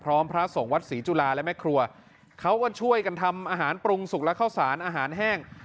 พระสงฆ์วัดศรีจุฬาและแม่ครัวเขาก็ช่วยกันทำอาหารปรุงสุกและข้าวสารอาหารแห้ง